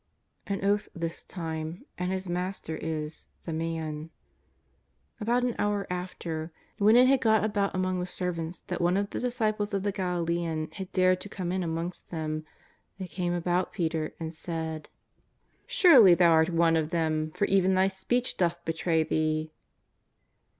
An oath this time, and his Master is " the Man." About an hour after, when it had got about among the servants that one of the disciples of the Galilean had dared to come in amongst them, they came about Peter and said: 342 JESUS OF ]S^AZARETH. " Surely thou art one of tliem, for even thy speech doth betray thee."